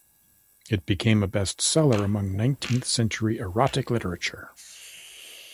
It became a bestseller among nineteenth century erotic literature.